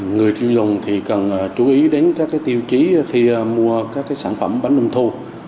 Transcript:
người tiêu dùng cần chú ý đến các tiêu chí khi mua các sản phẩm bánh trung thu